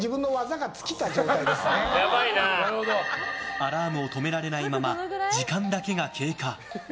アラームを止められないまま時間だけが経過。